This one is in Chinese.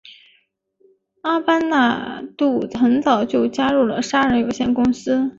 阿班旦杜很早就加入了杀人有限公司。